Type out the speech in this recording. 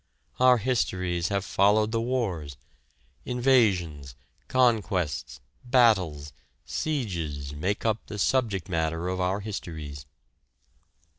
Our histories have followed the wars. Invasions, conquests, battles, sieges make up the subject matter of our histories.